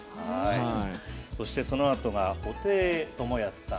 そして、そのあとが布袋寅泰さん。